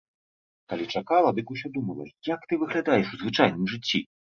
Калі чакала, дык усё думала, як ты выглядаеш у звычайным жыцці?